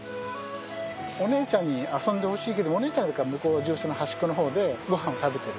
お姉ちゃんに遊んでほしいけどお姉ちゃんは獣舎の端っこの方でごはんを食べている。